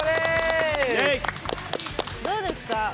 どうですか？